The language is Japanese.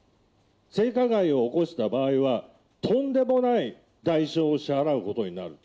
性加害を起こした場合は、とんでもない代償を支払うことになる。